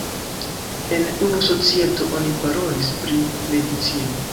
En unu societo oni parolis pri medicino.